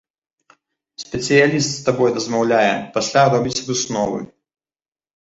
Спецыяліст з табой размаўляе, пасля робіць высновы.